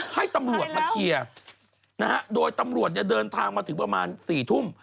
ให้ตำรวจมาเคลียร์นะฮะโดยตำรวจเนี่ยเดินทางมาถึงประมาณ๔ทุ่ม